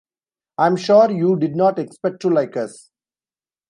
I am sure you did not expect to like us..